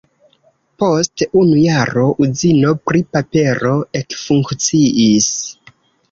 Post unu jaro uzino pri papero ekfunkciis.